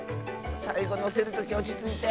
さいごのせるときおちついて。